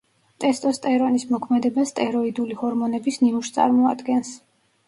ტესტოსტერონის მოქმედება სტეროიდული ჰორმონების ნიმუშს წარმოადგენს.